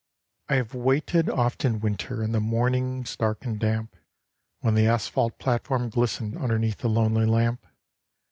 I have waited oft in winter, in the mornings dark and damp, When the asphalt platform glistened underneath the lonely lamp.